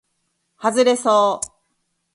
はずれそう